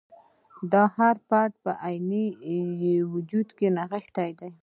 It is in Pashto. دا د هر فرد په عیني وجود کې نغښتی.